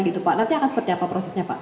gitu pak nanti akan seperti apa prosesnya pak